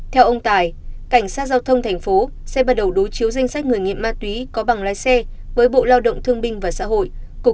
theo ông tài cảnh sát giao thông thành phố sẽ bắt đầu đối chiếu danh sách người nghiện ma túy có bằng lái xe với bộ lao động thương binh và xã hội